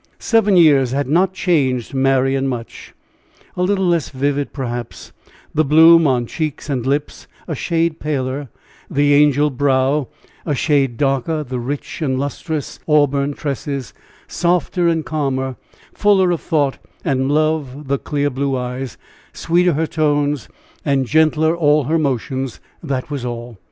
Seven years had not changed Marian much a little less vivid, perhaps, the bloom on cheeks and lips, a shade paler the angel brow, a shade darker the rich and lustrous auburn tresses, softer and calmer, fuller of thought and love the clear blue eyes sweeter her tones, and gentler all her motions that was all.